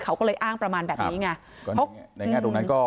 เขาอ้างประมาณแบบนี้